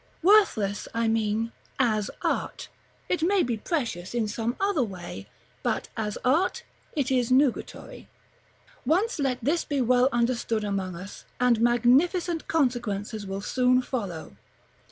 Worthless, I mean, as art; it may be precious in some other way, but, as art, it is nugatory. Once let this be well understood among us, and magnificent consequences will soon follow.